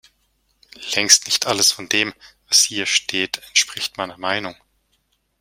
Längst nicht alles von dem, was hier steht, entspricht meiner Meinung.